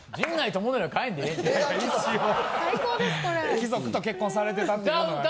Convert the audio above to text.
貴族と結婚されてたっていうのがあります。